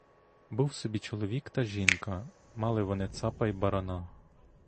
Був собі чоловік та жінка, мали вони цапа й барана.